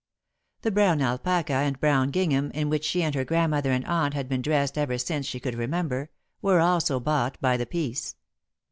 The brown alpaca and brown gingham, in which she and her grandmother and aunt had been dressed ever since she could remember, were also bought by the piece.